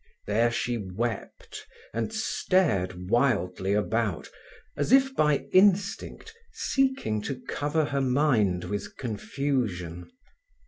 There she wept, and stared wildly about, as if by instinct seeking to cover her mind with confusion.